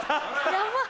ヤバっ。